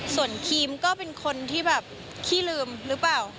ส่วนครีมก็เป็นคนที่แบบขี้ลืมหรือเปล่า